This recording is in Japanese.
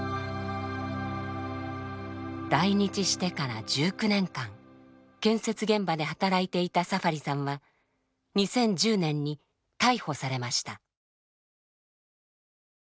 来日してから１９年間建設現場で働いていたサファリさんは２０１０年に逮捕されました。